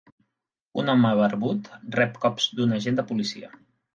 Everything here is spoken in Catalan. Un home barbut rep cops d'un agent de policia.